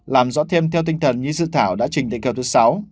làm rõ thêm theo tinh thần như dự thảo đã trình đề kêu thứ sáu